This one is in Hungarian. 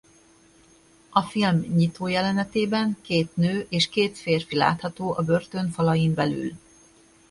A film nyitójelenetében két nő és két férfi látható a börtön falain belül.